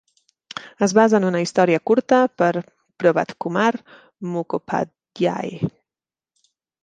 Es basa en una història curta per Provatkumar Mukhopadhyay.